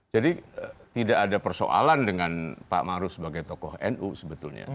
jadi tidak ada persoalan dengan pak ma'ruf sebagai tokoh nu sebetulnya